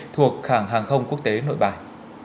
thuộc khảng hàng không quốc tế nội bài